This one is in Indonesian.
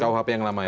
kauhapi yang lama ya